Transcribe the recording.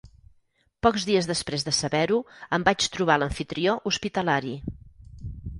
Pocs dies després de saber-ho em vaig trobar l'amfitrió hospitalari.